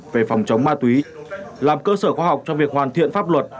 về phòng chống ma túy làm cơ sở khoa học cho việc hoàn thiện pháp luật